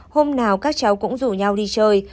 hôm nào các cháu cũng rủ nhau đi chơi